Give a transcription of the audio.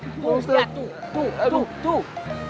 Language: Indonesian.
tuh tuh ustadz tuh